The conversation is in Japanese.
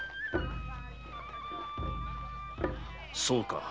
そうか。